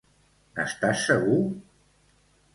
N'estàs segur?